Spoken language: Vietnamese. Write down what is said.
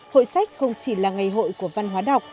hội sách không chỉ là ngày hội của văn hóa đọc